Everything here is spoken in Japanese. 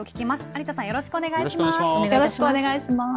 有田さん、よろしくお願いします。